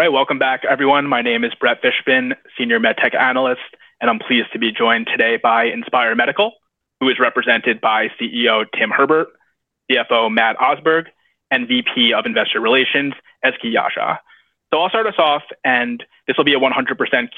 All right. Welcome back, everyone. My name is Brett Fishbin, Senior Med Tech Analyst, and I'm pleased to be joined today by Inspire Medical, who is represented by CEO Tim Herbert, CFO Matt Osberg, and VP of Investor Relations, Ezgi Yagci. I'll start us off, and this will be a 100%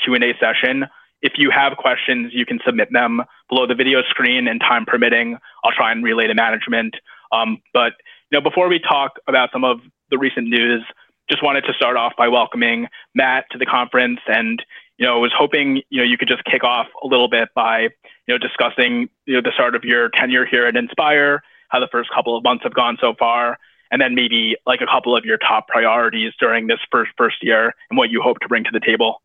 Q&A session. If you have questions, you can submit them below the video screen, and time permitting, I'll try and relay to management. Now before we talk about some of the recent news, just wanted to start off by welcoming Matt to the conference and, you know, was hoping, you know, you could just kick off a little bit by, you know, discussing, you know, the start of your tenure here at Inspire, how the first couple of months have gone so far, and then maybe, like, a couple of your top priorities during this first year and what you hope to bring to the table.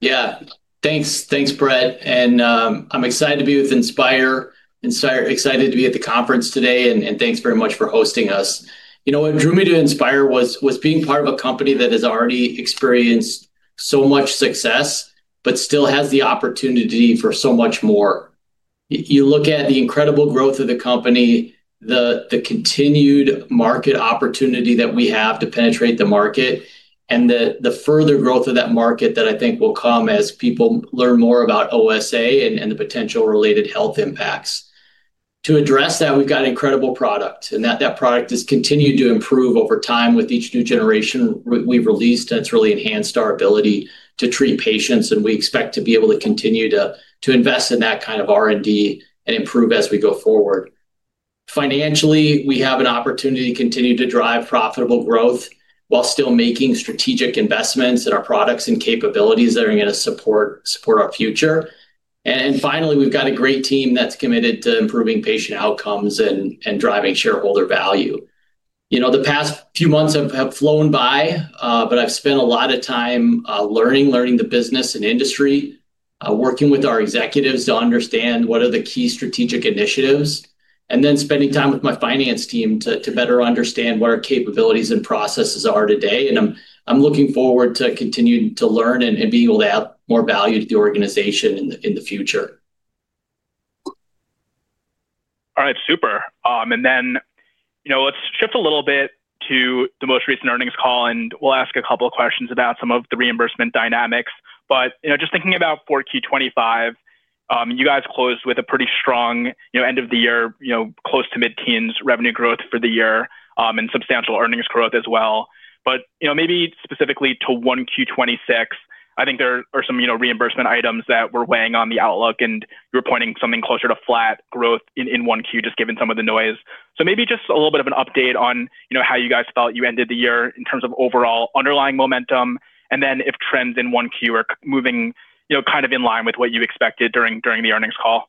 Yeah. Thanks. Thanks, Brett. I'm excited to be with Inspire. Excited to be at the conference today, and thanks very much for hosting us. You know, what drew me to Inspire was being part of a company that has already experienced so much success, but still has the opportunity for so much more. You look at the incredible growth of the company, the continued market opportunity that we have to penetrate the market, and the further growth of that market that I think will come as people learn more about OSA and the potential related health impacts. To address that, we've got an incredible product, and that product has continued to improve over time with each new generation we've released, and it's really enhanced our ability to treat patients, and we expect to be able to continue to invest in that kind of R&D and improve as we go forward. Financially, we have an opportunity to continue to drive profitable growth while still making strategic investments in our products and capabilities that are gonna support our future. Finally, we've got a great team that's committed to improving patient outcomes and driving shareholder value. You know, the past few months have flown by, but I've spent a lot of time learning the business and industry, working with our executives to understand what are the key strategic initiatives, and then spending time with my finance team to better understand what our capabilities and processes are today. I'm looking forward to continuing to learn and being able to add more value to the organization in the future. All right. Super. You know, let's shift a little bit to the most recent earnings call, and we'll ask a couple of questions about some of the reimbursement dynamics. You know, just thinking about 4Q 2025, you guys closed with a pretty strong, you know, end of the year, you know, close to mid-teens revenue growth for the year, and substantial earnings growth as well. You know, maybe specifically to 1Q 2026, I think there are some, you know, reimbursement items that were weighing on the outlook, and you're pointing something closer to flat growth in 1Q just given some of the noise. Maybe just a little bit of an update on, you know, how you guys felt you ended the year in terms of overall underlying momentum, and then if trends in 1Q are moving, you know, kind of in line with what you expected during the earnings call.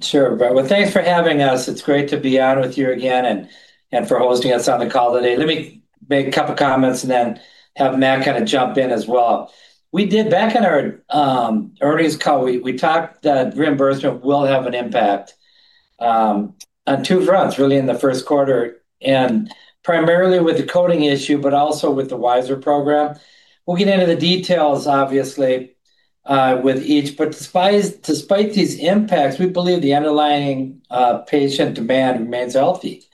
Sure. Well, thanks for having us. It's great to be on with you again and for hosting us on the call today. Let me make a couple of comments and then have Matt kinda jump in as well. Back in our earnings call, we talked that reimbursement will have an impact on two fronts, really in the first quarter, and primarily with the coding issue, but also with the WISeR program. We'll get into the details, obviously, with each, but despite these impacts, we believe the underlying patient demand remains healthy,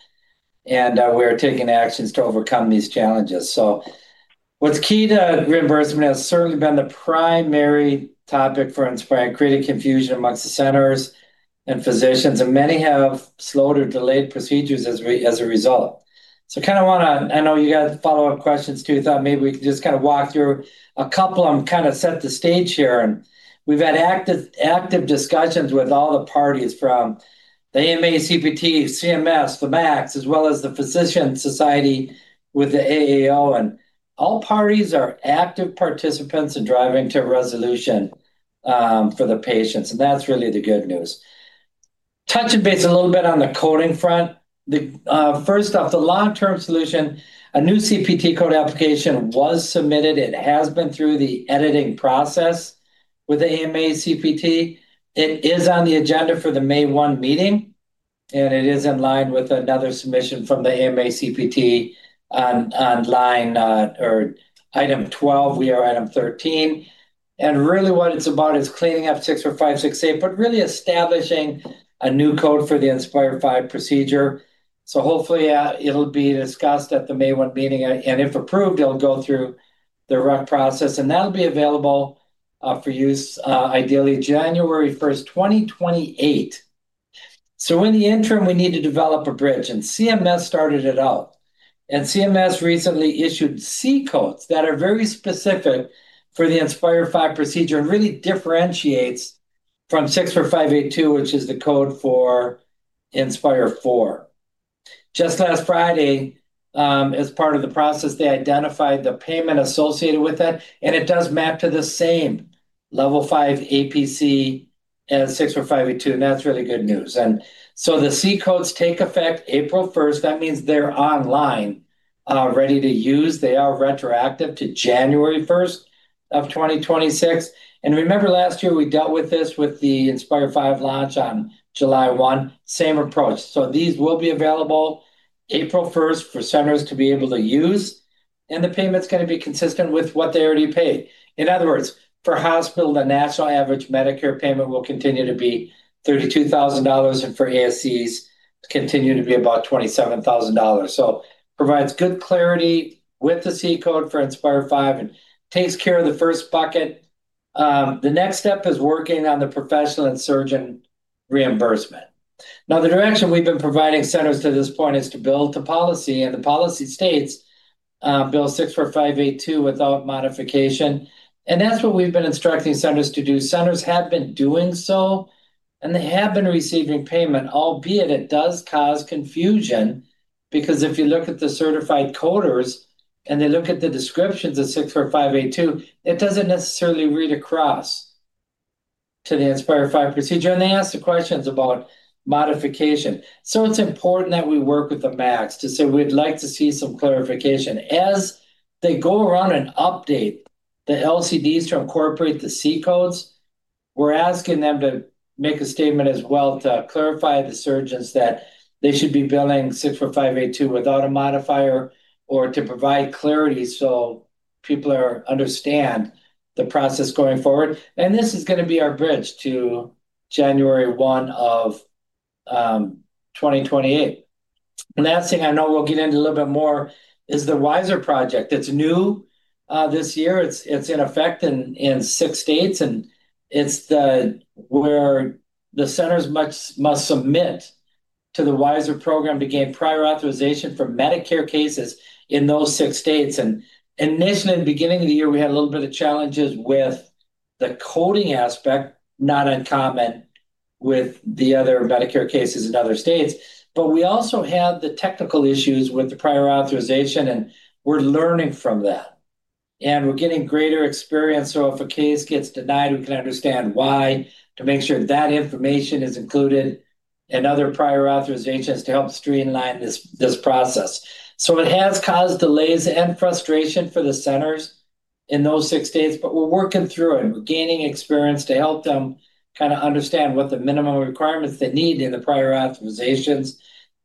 and we're taking actions to overcome these challenges. What's key to reimbursement has certainly been the primary topic for Inspire and created confusion among the centers and physicians, and many have slowed or delayed procedures as a result. I kinda want to. I know you got follow-up questions too. Thought maybe we could just kinda walk through a couple of them, kinda set the stage here. We've had active discussions with all the parties from the AMA, CPT, CMS, the MACs, as well as the physician society, with the AAO. All parties are active participants in driving to resolution for the patients, and that's really the good news. Touching base a little bit on the coding front. First off, the long-term solution, a new CPT code application was submitted. It has been through the editing process with AMA CPT. It is on the agenda for the May 1 meeting, and it is in line with another submission from the AMA CPT on line or item 12. We are item 13. Really what it's about is cleaning up 64568, but really establishing a new code for the Inspire V procedure. Hopefully, it'll be discussed at the May 1 meeting, and if approved, it'll go through the RUC process, and that'll be available for use, ideally January 1st, 2028. In the interim, we need to develop a bridge, and CMS started it out. CMS recently issued C codes that are very specific for the Inspire V procedure and really differentiates from 64582, which is the code for Inspire IV. Just last Friday, as part of the process, they identified the payment associated with it, and it does map to the same level 5 APC as 64582, and that's really good news. The C codes take effect April 1st. That means they're online, ready to use. They are retroactive to January 1st of 2026. Remember last year, we dealt with this with the Inspire V launch on July 1, same approach. These will be available April 1st for centers to be able to use, and the payment's gonna be consistent with what they already paid. In other words, for hospital, the national average Medicare payment will continue to be $32,000, and for ASCs, continue to be about $27,000. Provides good clarity with the C-code for Inspire V and takes care of the first bucket. The next step is working on the professional and surgeon reimbursement. Now, the direction we've been providing centers to this point is to build the policy, and the policy states, bill 64582 without modification. That's what we've been instructing centers to do. Centers have been doing so, and they have been receiving payment. Albeit it does cause confusion because if you look at the certified coders and they look at the descriptions of 64582, it doesn't necessarily read across to the Inspire V procedure, and they ask the questions about modifier. It's important that we work with the MACs to say we'd like to see some clarification. As they go around and update the LCDs to incorporate the C-codes, we're asking them to make a statement as well to clarify the surgeons that they should be billing 64582 without a modifier or to provide clarity so people understand the process going forward. This is gonna be our bridge to January 1, 2028. Last thing I know we'll get into a little bit more is the WISeR program. It's new this year. It's in effect in six states, and it's where the centers must submit to the WISeR program to gain prior authorization for Medicare cases in those six states. Initially, in the beginning of the year, we had a little bit of challenges with the coding aspect, not uncommon with the other Medicare cases in other states. We also had the technical issues with the prior authorization, and we're learning from that, and we're getting greater experience so if a case gets denied, we can understand why to make sure that information is included in other prior authorizations to help streamline this process. It has caused delays and frustration for the centers in those six states, we're working through it. We're gaining experience to help them kinda understand what the minimum requirements they need in the prior authorizations.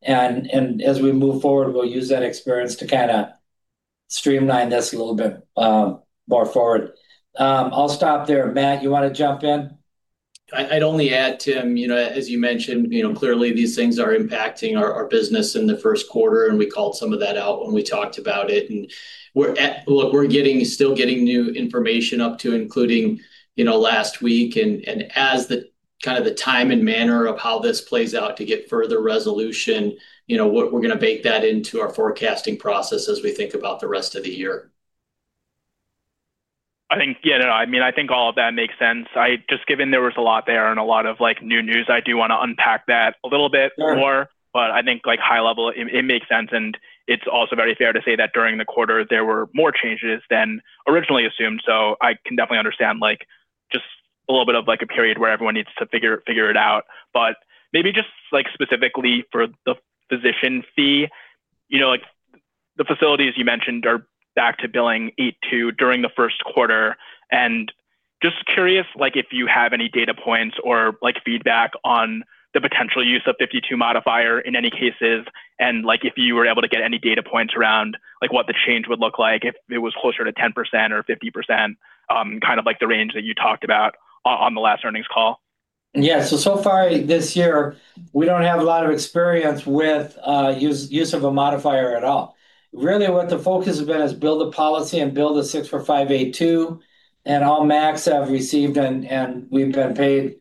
As we move forward, we'll use that experience to kinda streamline this a little bit more forward. I'll stop there. Matt, you wanna jump in? I'd only add, Tim, you know, as you mentioned, you know, clearly these things are impacting our business in the first quarter, and we called some of that out when we talked about it. Look, we're still getting new information up to and including, you know, last week. As the kind of time and manner of how this plays out to get further resolution, you know, we're gonna bake that into our forecasting process as we think about the rest of the year. I think, yeah, no. I mean, I think all of that makes sense. I just, given there was a lot there and a lot of, like, new news, I do wanna unpack that a little bit more. Sure. I think, like, high level it makes sense, and it's also very fair to say that during the quarter there were more changes than originally assumed. I can definitely understand, like, just a little bit of, like, a period where everyone needs to figure it out. Maybe just, like, specifically for the physician fee, you know, like, the facilities you mentioned are back to billing 82 during the first quarter. Just curious, like, if you have any data points or, like, feedback on the potential use of 52 modifier in any cases and, like, if you were able to get any data points around, like, what the change would look like if it was closer to 10% or 50%, kind of like the range that you talked about on the last earnings call. Yeah. So far this year, we don't have a lot of experience with use of a modifier at all. Really what the focus has been is build a policy and build a 64582, and all MACs have received and we've been paid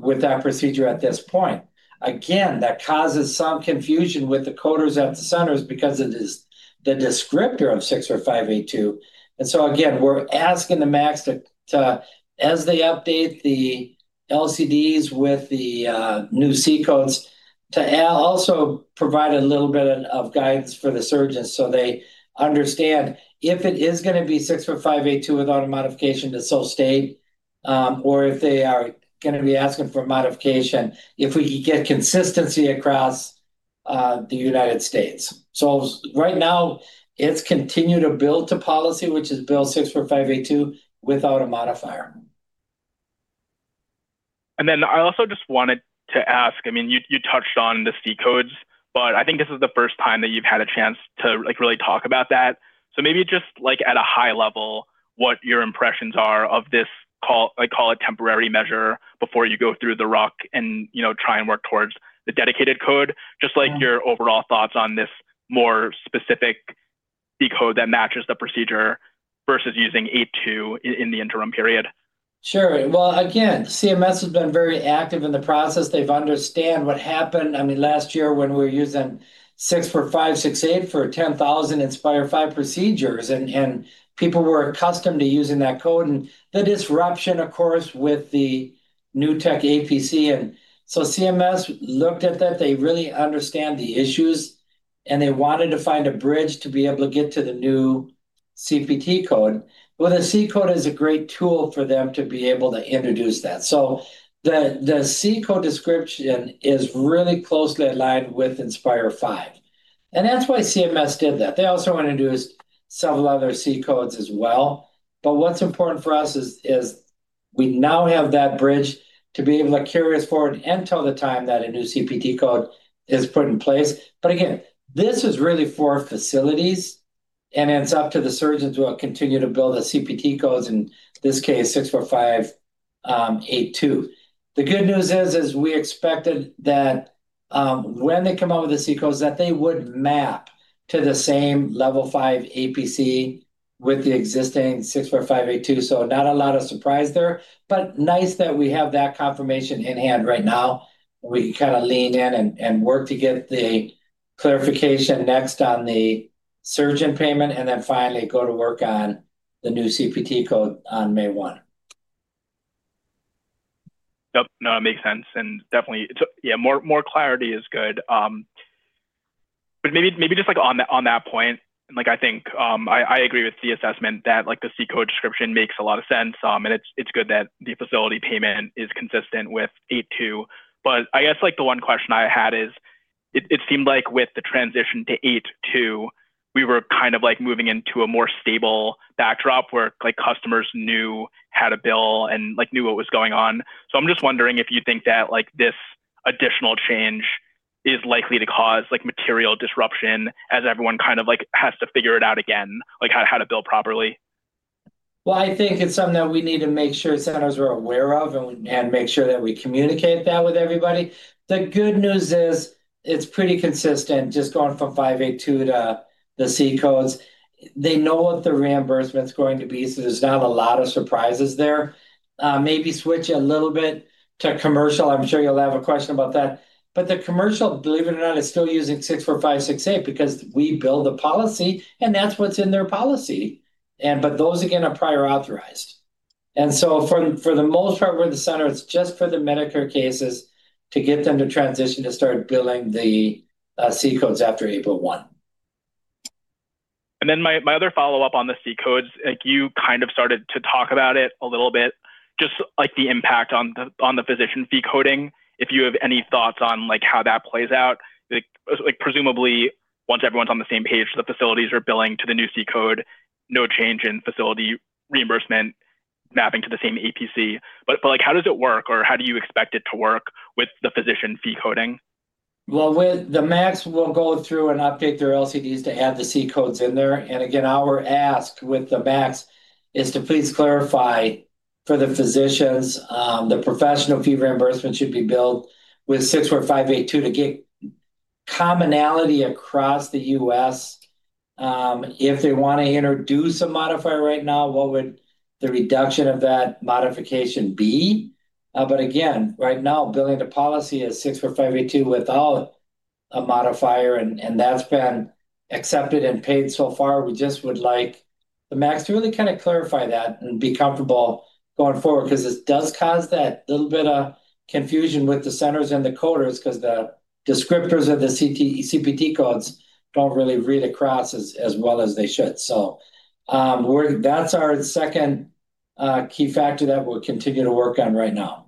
with that procedure at this point. Again, that causes some confusion with the coders at the centers because it is the descriptor of 64582. Again, we're asking the MACs to as they update the LCDs with the new C-codes, to also provide a little bit of guidance for the surgeons so they understand if it is gonna be 64582 without a modification to sort of stay or if they are gonna be asking for a modifier, if we could get consistency across the United States. Right now, it's continuing to bill to policy, which is bill 64582 without a modifier. I also just wanted to ask. I mean, you touched on the C codes, but I think this is the first time that you've had a chance to, like, really talk about that. Maybe just, like, at a high level what your impressions are of this. Call it a temporary measure before you go through the RUC and, you know, try and work towards the dedicated code. Just like your overall thoughts on this more specific C code that matches the procedure versus using 82 in the interim period. Sure. Well, again, CMS has been very active in the process. They've understand what happened, I mean, last year when we were using 64568 for 10,000 Inspire V procedures, and people were accustomed to using that code. The disruption, of course, with the new tech APC. CMS looked at that. They really understand the issues, and they wanted to find a bridge to be able to get to the new CPT code. Well, the C code is a great tool for them to be able to introduce that. The C code description is really closely aligned with Inspire V. That's why CMS did that. They also want to do is several other C codes as well. What's important for us is we now have that bridge to be able to carry us forward until the time that a new CPT code is put in place. Again, this is really for facilities, and it's up to the surgeons who will continue to build the CPT codes, in this case 64582. The good news is we expected that, when they come out with the C codes, that they would map to the same level 5 APC with the existing 64582. Not a lot of surprise there, but nice that we have that confirmation in hand right now, and we can kinda lean in and work to get the clarification next on the surgeon payment, and then finally go to work on the new CPT code on May 1. Yep. No, it makes sense, and definitely yeah, more clarity is good. But maybe just like on that point, like I think I agree with the assessment that like the C-code description makes a lot of sense, and it's good that the facility payment is consistent with 82. I guess like the one question I had is, it seemed like with the transition to 82`, we were kind of like moving into a more stable backdrop where like customers knew how to bill and like knew what was going on. I'm just wondering if you think that like this additional change is likely to cause like material disruption as everyone kind of like has to figure it out again, like how to bill properly. Well, I think it's something that we need to make sure centers are aware of and make sure that we communicate that with everybody. The good news is it's pretty consistent just going from 64582 to the C-codes. They know what the reimbursement's going to be, so there's not a lot of surprises there. Maybe switch a little bit to commercial. I'm sure you'll have a question about that. The commercial, believe it or not, is still using 64568 because we built a policy, and that's what's in their policy. Those, again, are prior authorized. For the most part, we're the center. It's just for the Medicare cases to get them to transition to start billing the C-codes after April 1. My other follow-up on the C codes, like you kind of started to talk about it a little bit, just like the impact on the physician fee coding. If you have any thoughts on like how that plays out. Like presumably once everyone's on the same page, the facilities are billing to the new C code, no change in facility reimbursement mapping to the same APC. Like how does it work or how do you expect it to work with the physician fee coding? Well, with the MACs will go through and update their LCDs to add the C-codes in there. Our ask with the MACs is to please clarify for the physicians the professional fee reimbursement should be billed with 64582 to get commonality across the U.S. If they wanna introduce a modifier right now, what would the reduction of that modifier be? Again, right now, per the policy is 64582 without a modifier, and that's been accepted and paid so far. We just would like the MACs to really kinda clarify that and be comfortable going forward 'cause this does cause that little bit of confusion with the centers and the coders 'cause the descriptors of the CPT codes don't really read across as well as they should. That's our second key factor that we'll continue to work on right now.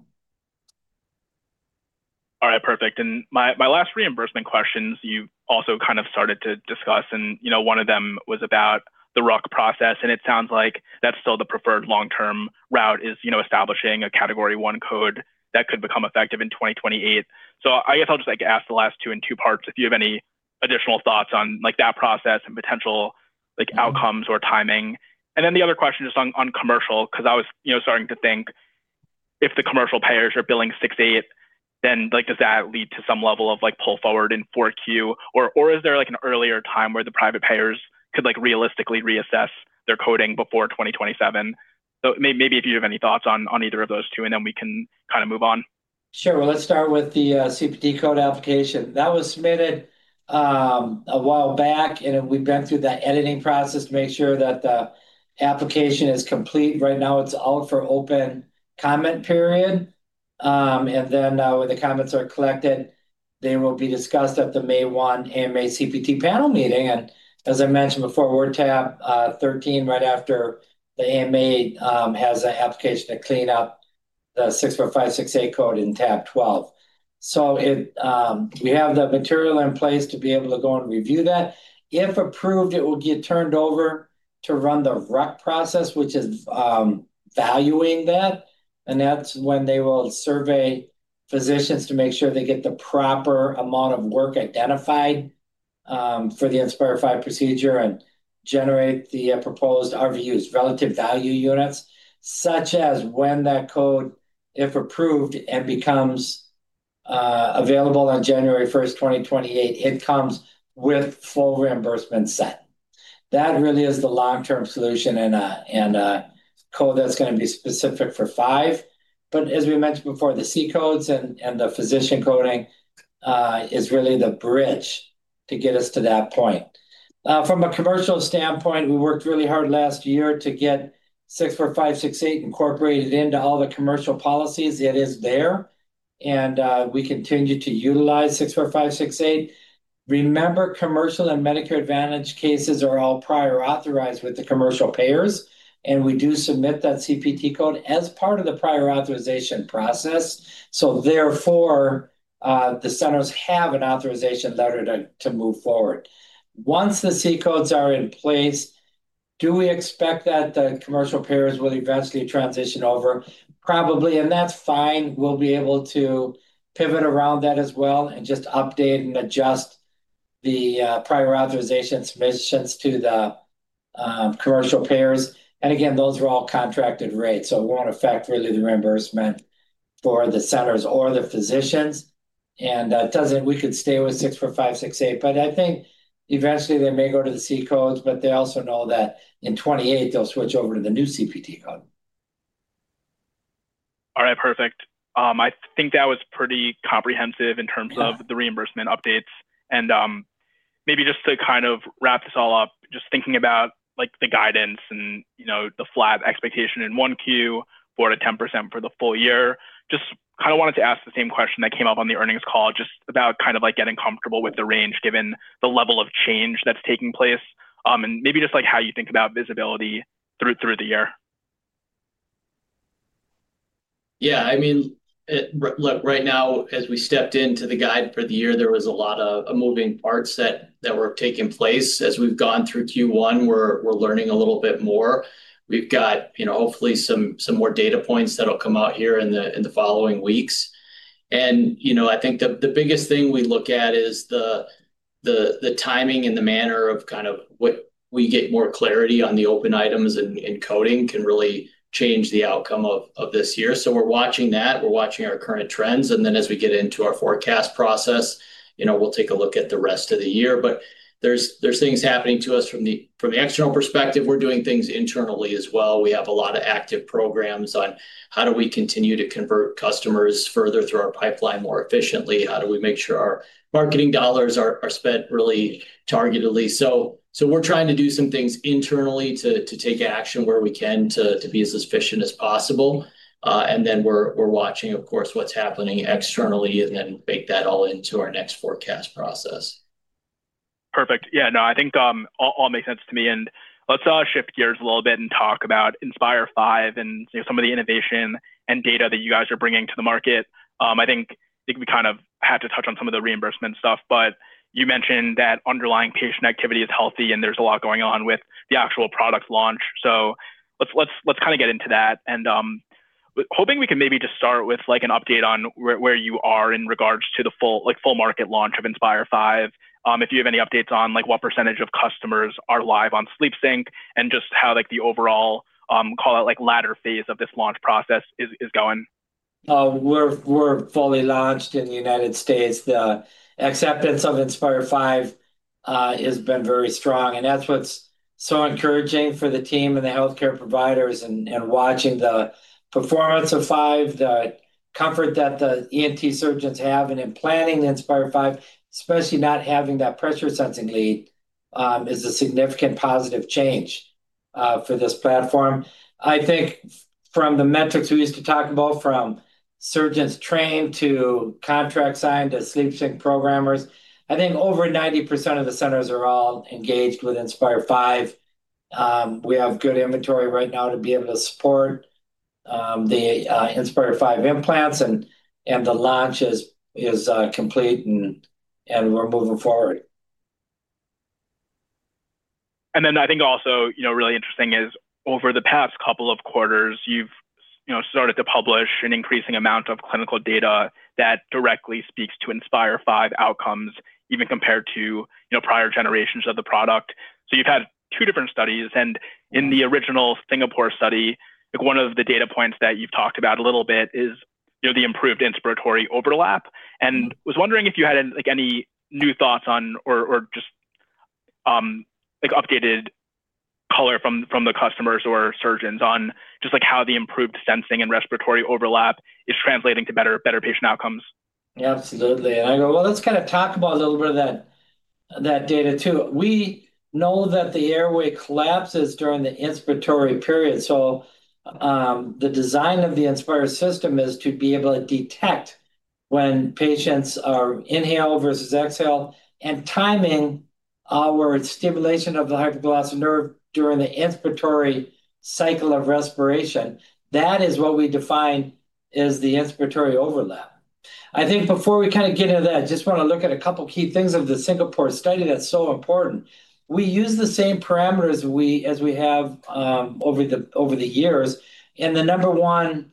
All right, perfect. My last reimbursement questions, you also kind of started to discuss, and, you know, one of them was about the RUC process, and it sounds like that's still the preferred long-term route is, you know, establishing a Category 1 code that could become effective in 2028. I guess I'll just like ask the last two in two parts if you have any additional thoughts on like that process and potential like outcomes or timing. The other question is on commercial 'cause I was, you know, starting to think if the commercial payers are billing 68, then like does that lead to some level of like pull forward in 4Q? Or is there like an earlier time where the private payers could like realistically reassess their coding before 2027? Maybe if you have any thoughts on either of those two, and then we can kinda move on. Sure. Well, let's start with the CPT code application. That was submitted a while back, and we've been through the editing process to make sure that the application is complete. Right now it's out for open comment period. Then, when the comments are collected, they will be discussed at the May 1 AMA CPT panel meeting. As I mentioned before, we're tab 13 right after the AMA has an application to clean up the 64568 code in tab 12. We have the material in place to be able to go and review that. If approved, it will get turned over to run the RUC process, which is valuing that, and that's when they will survey physicians to make sure they get the proper amount of work identified for the Inspire V procedure and generate the proposed RVUs, relative value units such that when that code, if approved and becomes available on January 1st, 2028, it comes with full reimbursement set. That really is the long-term solution and a code that's gonna be specific for V As we mentioned before, the C codes and the physician coding is really the bridge to get us to that point. From a commercial standpoint, we worked really hard last year to get 64568 incorporated into all the commercial policies. It is there, and we continue to utilize 64568. Remember, commercial and Medicare Advantage cases are all prior authorized with the commercial payers, and we do submit that CPT code as part of the prior authorization process. Therefore, the centers have an authorization letter to move forward. Once the C-codes are in place, do we expect that the commercial payers will eventually transition over? Probably, that's fine. We'll be able to pivot around that as well and just update and adjust the prior authorization submissions to the commercial payers. Again, those are all contracted rates, so it won't affect really the reimbursement for the centers or the physicians. We could stay with 64568, but I think eventually they may go to the C-codes, but they also know that in 2028 they'll switch over to the new CPT code. All right, perfect. I think that was pretty comprehensive in terms of the reimbursement updates. Maybe just to kind of wrap this all up, just thinking about, like, the guidance and, you know, the flat expectation in 1Q, 4%-10% for the full year. Just kinda wanted to ask the same question that came up on the earnings call, just about kind of like getting comfortable with the range given the level of change that's taking place. Maybe just, like, how you think about visibility through the year. Yeah, I mean, right now, as we stepped into the guide for the year, there was a lot of moving parts that were taking place. As we've gone through Q1, we're learning a little bit more. We've got, you know, hopefully some more data points that'll come out here in the following weeks. You know, I think the biggest thing we look at is the timing and the manner of kind of what we get more clarity on the open items and coding can really change the outcome of this year. We're watching that, watching our current trends, and then as we get into our forecast process, you know, we'll take a look at the rest of the year. There's things happening to us from the external perspective. We're doing things internally as well. We have a lot of active programs on how do we continue to convert customers further through our pipeline more efficiently? How do we make sure our marketing dollars are spent really targetedly? We're trying to do some things internally to take action where we can to be as efficient as possible. We're watching, of course, what's happening externally and then bake that all into our next forecast process. Perfect. Yeah, no, I think all makes sense to me. Let's shift gears a little bit and talk about Inspire V and some of the innovation and data that you guys are bringing to the market. I think we kind of had to touch on some of the reimbursement stuff, but you mentioned that underlying patient activity is healthy, and there's a lot going on with the actual product launch. Let's kinda get into that. Hoping we can maybe just start with, like, an update on where you are in regards to the full, like, full market launch of Inspire V. If you have any updates on, like, what percentage of customers are live on SleepSync and just how, like, the overall, call it, like, latter phase of this launch process is going. We're fully launched in the United States. The acceptance of Inspire V has been very strong, and that's what's so encouraging for the team and the healthcare providers and watching the performance of V, the comfort that the ENT surgeons have, and in planning the Inspire V, especially not having that pressure-sensing lead, is a significant positive change for this platform. I think from the metrics we used to talk about from surgeons trained to contracts signed to SleepSync programmers, I think over 90% of the centers are all engaged with Inspire V. We have good inventory right now to be able to support the Inspire V implants and the launch is complete and we're moving forward. I think also, you know, really interesting is over the past couple of quarters, you've, you know, started to publish an increasing amount of clinical data that directly speaks to Inspire V outcomes, even compared to, you know, prior generations of the product. You've had two different studies, and in the original Singapore study, like one of the data points that you've talked about a little bit is, you know, the improved inspiratory overlap. I was wondering if you had, like, any new thoughts on or just, like, updated color from the customers or surgeons on just, like, how the improved sensing and inspiratory overlap is translating to better patient outcomes. Absolutely. Well, let's kinda talk about a little bit of that data too. We know that the airway collapses during the inspiratory period. The design of the Inspire system is to be able to detect when patients are inhale versus exhale and timing, where it's stimulation of the hypoglossal nerve during the inspiratory cycle of respiration. That is what we define as the inspiratory overlap. I think before we kinda get into that, just wanna look at a couple of key things of the Singapore study that's so important. We use the same parameters as we have over the years. The number one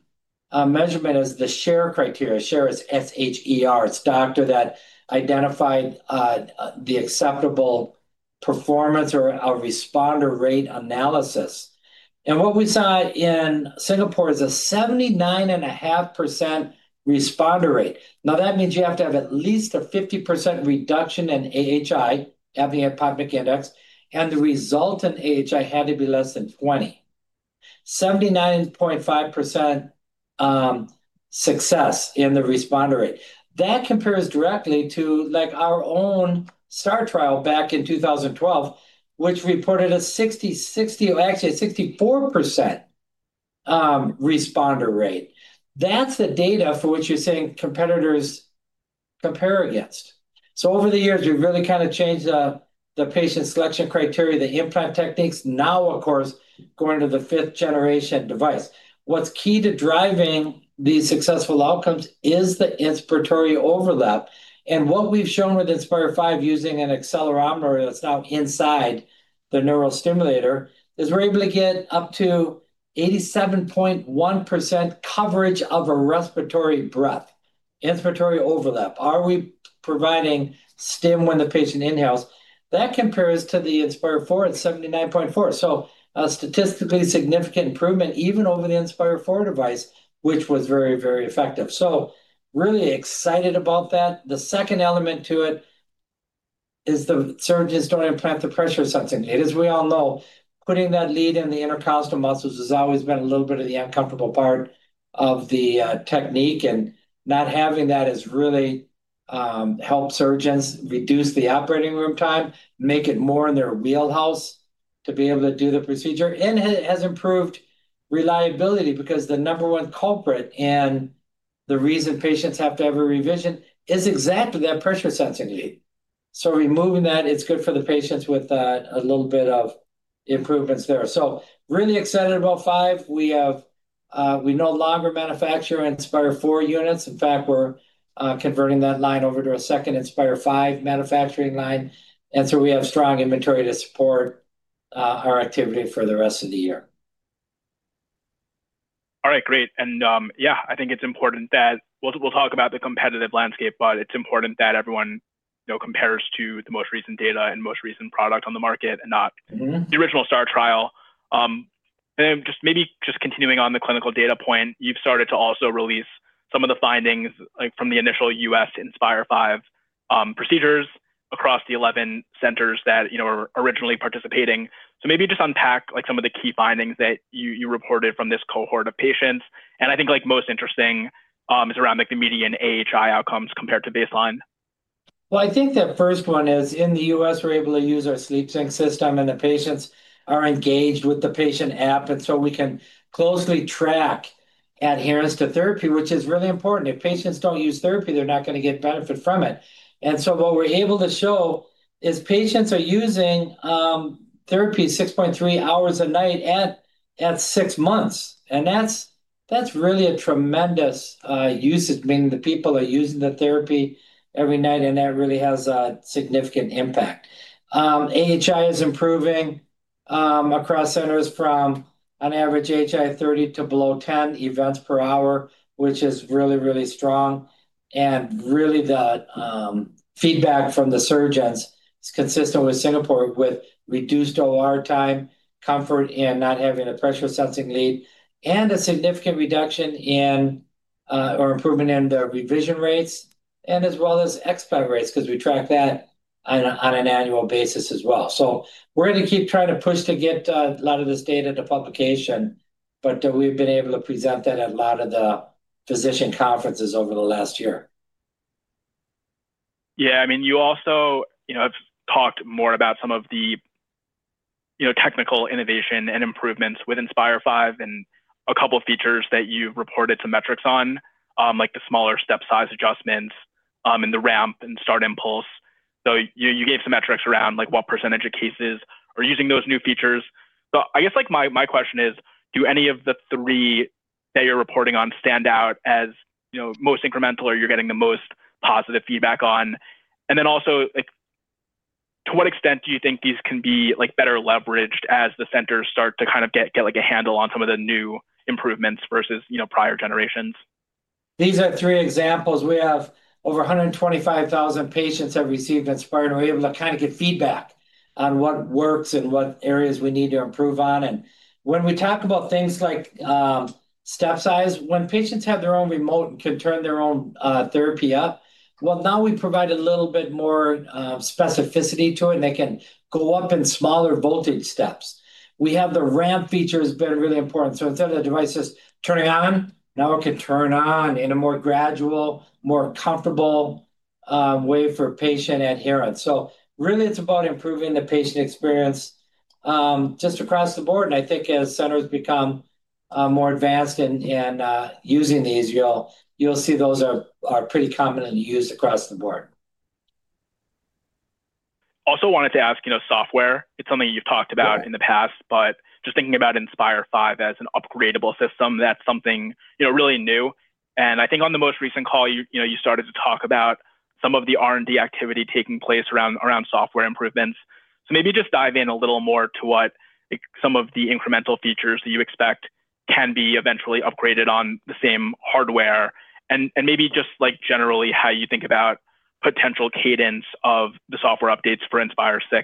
measurement is the Sher criteria. Sher is S-H-E-R. It's doctor that identified the acceptable performance or a responder rate analysis. What we saw in Singapore is a 79.5% responder rate. Now, that means you have to have at least a 50% reduction in AHI, apnea-hypopnea index, and the resultant AHI had to be less than 20%. 79.5% success in the responder rate. That compares directly to, like, our own STAR trial back in 2012, which reported a 64% responder rate. That's the data for which you're saying competitors compare against. Over the years, we've really kinda changed the patient selection criteria, the implant techniques. Now, of course, going to the fifth generation device. What's key to driving these successful outcomes is the inspiratory overlap. What we've shown with Inspire V using an accelerometer that's now inside the neurostimulator is we're able to get up to 87.1% coverage of a respiratory breath, inspiratory overlap. Are we providing stim when the patient inhales? That compares to the Inspire IV at 79.4%. A statistically significant improvement even over the Inspire IV device, which was very, very effective. Really excited about that. The second element to it is the surgeons don't implant the pressure-sensing. It is, we all know, putting that lead in the intercostal muscles has always been a little bit of the uncomfortable part of the technique. Not having that has really helped surgeons reduce the operating room time, make it more in their wheelhouse to be able to do the procedure. It has improved reliability because the number one culprit and the reason patients have to have a revision is exactly that pressure-sensing lead. Removing that, it's good for the patients with a little bit of improvements there. Really excited about V. We no longer manufacture Inspire IV units. In fact, we're converting that line over to a second Inspire V manufacturing line. We have strong inventory to support our activity for the rest of the year. All right. Great. Yeah, I think it's important that we'll talk about the competitive landscape, but it's important that everyone, you know, compares to the most recent data and most recent product on the market, and not the original STAR trial. Maybe just continuing on the clinical data point, you've started to also release some of the findings, like, from the initial U.S. Inspire V procedures across the 11 centers that, you know, were originally participating. Maybe just unpack, like, some of the key findings that you reported from this cohort of patients. I think, like, most interesting, is around, like, the median AHI outcomes compared to baseline. Well, I think the first one is in the U.S., we're able to use our SleepSync system, and the patients are engaged with the patient app. We can closely track adherence to therapy, which is really important. If patients don't use therapy, they're not gonna get benefit from it. What we're able to show is patients are using therapy 6.3 hours a night at six months. That's really a tremendous usage. Meaning the people are using the therapy every night, and that really has a significant impact. AHI is improving across centers from on average AHI 30 to below 10 events per hour, which is really, really strong. Really, the feedback from the surgeons is consistent with Singapore, with reduced OR time, comfort in not having a pressure-sensing lead, and a significant reduction in or improvement in the revision rates, and as well as explant rates, because we track that on an annual basis as well. We're gonna keep trying to push to get a lot of this data to publication, but we've been able to present that at a lot of the physician conferences over the last year. Yeah. I mean, you also, you know, have talked more about some of the, you know, technical innovation and improvements with Inspire V and a couple of features that you've reported some metrics on, like the smaller step size adjustments, and the ramp and start impulse. You gave some metrics around, like, what percentage of cases are using those new features. I guess, like, my question is, do any of the three that you're reporting on stand out as, you know, most incremental or you're getting the most positive feedback on? Then also, like, to what extent do you think these can be, like, better leveraged as the centers start to kind of get a handle on some of the new improvements versus, you know, prior generations? These are three examples. We have over 125,000 patients have received Inspire, and we're able to kind of get feedback on what works and what areas we need to improve on. When we talk about things like step size, when patients have their own remote and can turn their own therapy up, well, now we provide a little bit more specificity to it. They can go up in smaller voltage steps. We have the ramp feature has been really important. Instead of the device just turning on, now it can turn on in a more gradual, more comfortable way for patient adherence. Really, it's about improving the patient experience, just across the board. I think as centers become more advanced in using these, you'll see those are pretty commonly used across the board. Wanted to ask, you know, software. It's something you've talked about. Right In the past, but just thinking about Inspire V as an upgradable system, that's something, you know, really new. I think on the most recent call, you know, you started to talk about some of the R&D activity taking place around software improvements. Maybe just dive in a little more to what, like, some of the incremental features that you expect can be eventually upgraded on the same hardware, and maybe just, like, generally how you think about potential cadence of the software updates for Inspire VI.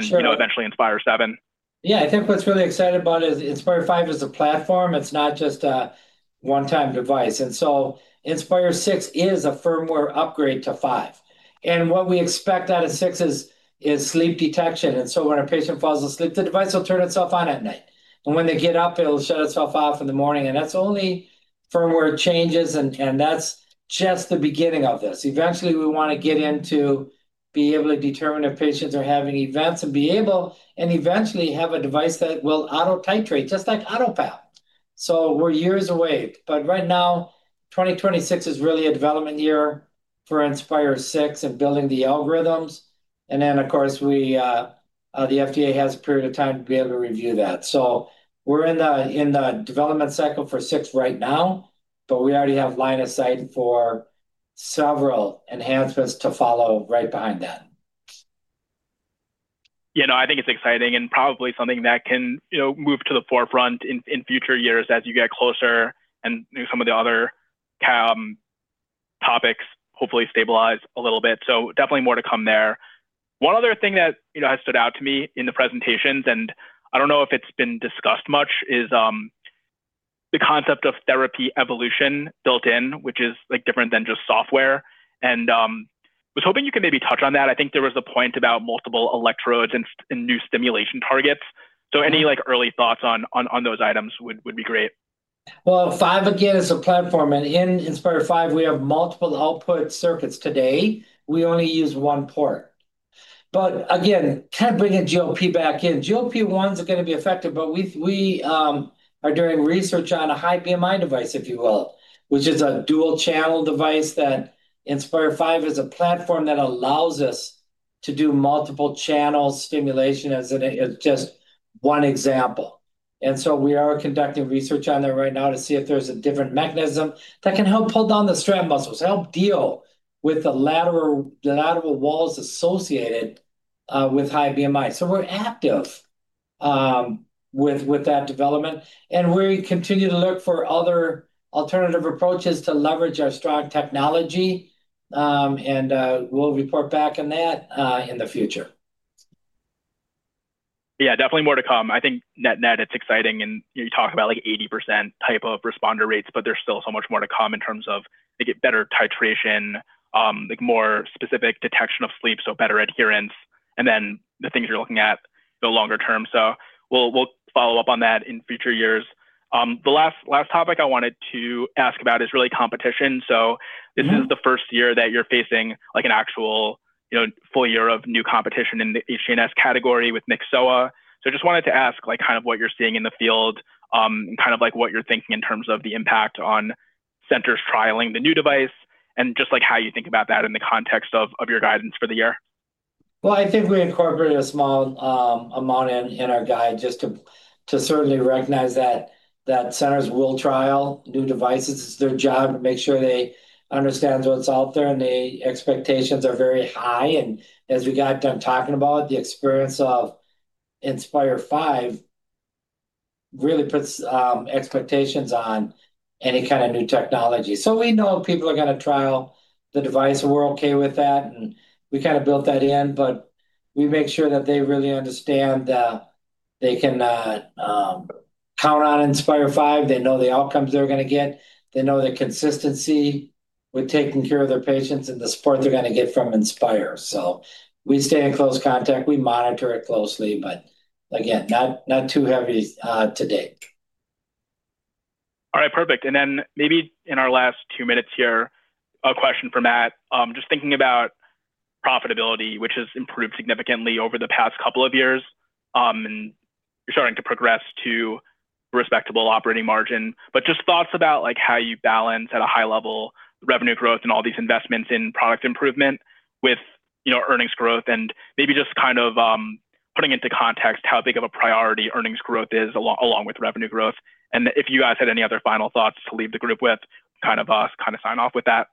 Sure You know, eventually Inspire VII. Yeah. I think what's really exciting about it is Inspire V is a platform. It's not just a one-time device. Inspire VI is a firmware upgrade to V. What we expect out of VI is sleep detection. When a patient falls asleep, the device will turn itself on at night. When they get up, it'll shut itself off in the morning. That's only firmware changes, and that's just the beginning of this. Eventually, we wanna get into being able to determine if patients are having events and be able and eventually have a device that will auto titrate just like AutoPAP. We're years away. Right now, 2026 is really a development year for Inspire VI and building the algorithms. Of course, the FDA has a period of time to be able to review that. We're in the development cycle for VI right now, but we already have line of sight for several enhancements to follow right behind that. You know, I think it's exciting and probably something that can, you know, move to the forefront in future years as you get closer and, you know, some of the other topics hopefully stabilize a little bit. Definitely more to come there. One other thing that, you know, has stood out to me in the presentations, and I don't know if it's been discussed much, is the concept of therapy evolution built in, which is, like, different than just software. I was hoping you could maybe touch on that. I think there was a point about multiple electrodes and new stimulation targets. Any, like, early thoughts on those items would be great. Well, V again is a platform, and in Inspire V we have multiple output circuits today. We only use one port. Again, kind of bringing GLP back in. GLP-1s are gonna be effective, but we are doing research on a high BMI device, if you will, which is a dual-channel device that Inspire V is a platform that allows us to do multiple channel stimulation as just one example. We are conducting research on that right now to see if there's a different mechanism that can help pull down the strap muscles, help deal with the lateral walls associated with high BMI. We're active with that development, and we continue to look for other alternative approaches to leverage our strong technology. We'll report back on that in the future. Yeah, definitely more to come. I think net it's exciting, and you talk about, like, 80% type of responder rates, but there's still so much more to come in terms of, I think, better titration, like more specific detection of sleep, so better adherence, and then the things you're looking at the longer term. We'll follow up on that in future years. The last topic I wanted to ask about is really competition. This is the first year that you're facing, like, an actual, you know, full year of new competition in the HNS category with Nyxoah. So just wanted to ask, like, kind of what you're seeing in the field, and kind of like what you're thinking in terms of the impact on centers trialing the new device, and just, like, how you think about that in the context of your guidance for the year? Well, I think we incorporated a small amount in our guide just to certainly recognize that centers will trial new devices. It's their job to make sure they understand what's out there, and the expectations are very high. As we got done talking about, the experience of Inspire V really puts expectations on any kind of new technology. We know people are gonna trial the device. We're okay with that, and we kind of built that in, but we make sure that they really understand that they can count on Inspire V. They know the outcomes they're gonna get, they know the consistency with taking care of their patients, and the support they're gonna get from Inspire. We stay in close contact, we monitor it closely, but again, not too heavy to date. All right, perfect. Then maybe in our last two minutes here, a question for Matt. Just thinking about profitability, which has improved significantly over the past couple of years, and you're starting to progress to respectable operating margin. Just thoughts about, like, how you balance at a high level revenue growth and all these investments in product improvement with, you know, earnings growth, and maybe just kind of putting into context how big of a priority earnings growth is along with revenue growth. If you guys had any other final thoughts to leave the group with, kind of sign off with that.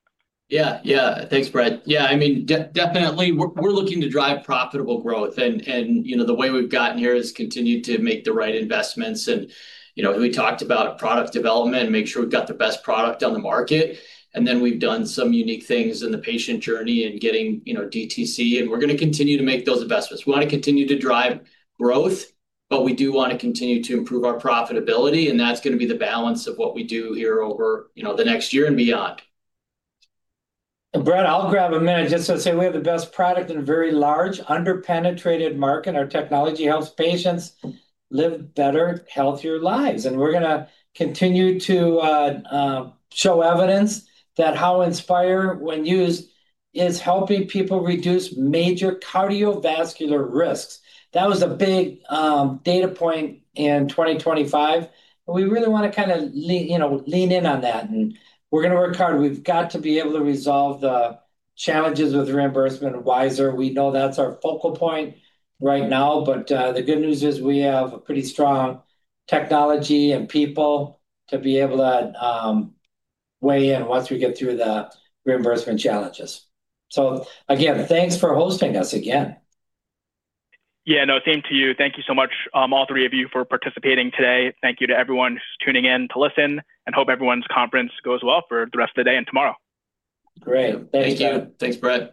Yeah. Thanks, Brett. Yeah, I mean, definitely we're looking to drive profitable growth. You know, the way we've gotten here is continue to make the right investments. You know, we talked about product development and make sure we've got the best product on the market, and then we've done some unique things in the patient journey and getting, you know, DTC, and we're gonna continue to make those investments. We wanna continue to drive growth, but we do wanna continue to improve our profitability, and that's gonna be the balance of what we do here over, you know, the next year and beyond. Brett, I'll grab a minute just to say we have the best product in a very large, under-penetrated market. Our technology helps patients live better, healthier lives. We're gonna continue to show evidence that how Inspire, when used, is helping people reduce major cardiovascular risks. That was a big data point in 2025. We really wanna kinda lean, you know, lean in on that, and we're gonna work hard. We've got to be able to resolve the challenges with reimbursement WISeR. We know that's our focal point right now, but the good news is we have a pretty strong technology and people to be able to weigh in once we get through the reimbursement challenges. Again, thanks for hosting us again. Yeah, no, same to you. Thank you so much, all three of you for participating today. Thank you to everyone who's tuning in to listen. Hope everyone's conference goes well for the rest of the day and tomorrow. Great. Thank you. Thanks, Brett.